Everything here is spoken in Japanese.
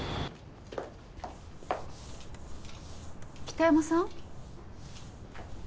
北山さん。